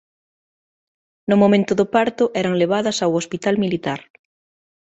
No momento do parto eran levadas ao Hospital Militar.